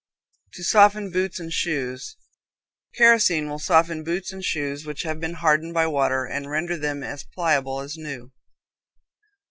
To Soften Boots and Shoes. Kerosene will soften boots and shoes which have been hardened by water, and render them as pliable as new.